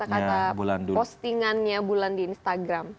kata postingannya bulan di instagram